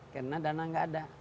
karena dana enggak ada